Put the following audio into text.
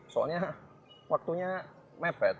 soalnya waktunya mepet